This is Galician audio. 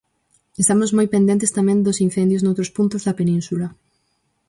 Estamos moi pendentes tamén dos incendios noutros puntos da península.